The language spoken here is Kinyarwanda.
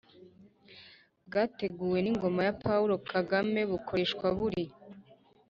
bwateguwe n'ingoma ya paul kagame bukoreshwa buri